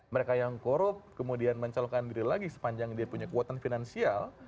mereka yang korup kemudian mencalonkan diri lagi sepanjang dia punya kekuatan finansial